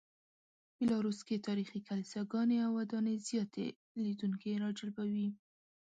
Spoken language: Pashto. بیلاروس کې تاریخي کلیساګانې او ودانۍ زیاتې لیدونکي راجلبوي.